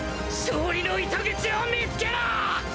勝利の糸口を見つけろ！！